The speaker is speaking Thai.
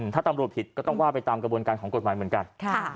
ถ้าตำรวจผิดก็ต้องว่าไปตามกระบวนการของกฎหมายเหมือนกัน